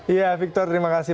ya victor terima kasih